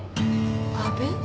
阿部？